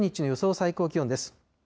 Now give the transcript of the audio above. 最高気温です。